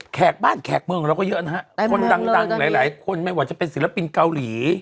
แขกบ้านแขกเมืองของเราก็เยอะนะฮะคนดังหลายคนไม่ว่าจะเป็นศิลปินเกาหลี